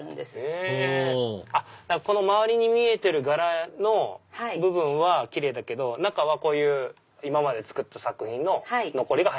ほうこの周りに見えてる柄の部分はキレイだけど中は今まで作った作品の残り。